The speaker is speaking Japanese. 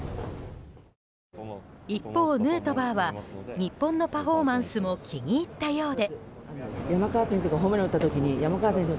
一方、ヌートバーは日本のパフォーマンスも気に入ったようで。